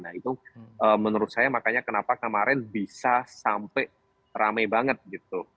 nah itu menurut saya makanya kenapa kemarin bisa sampai rame banget gitu